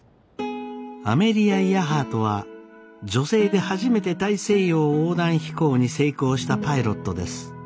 アメリア・イヤハートは女性で初めて大西洋横断飛行に成功したパイロットです。